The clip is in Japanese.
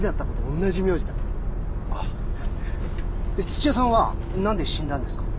土屋さんは何で死んだんですか？